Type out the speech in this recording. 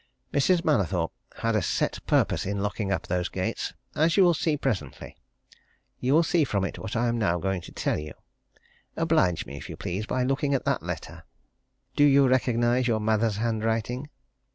Mrs. Mallathorpe had a set purpose in locking up those gates as you will see presently. You will see it from what I am now going to tell you. Oblige me, if you please, by looking at that letter. Do you recognize your mother's handwriting?"